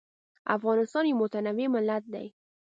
افغانستان یو متنوع ملت دی.